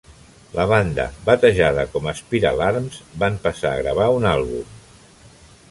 La banda, batejada com Spiralarms, van passar a gravar un àlbum.